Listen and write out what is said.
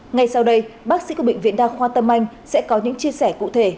ngay sau đây bác sĩ của bệnh viện đa khoa tâm anh sẽ có những chia sẻ cụ thể